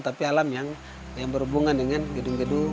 tapi alam yang berhubungan dengan gedung gedung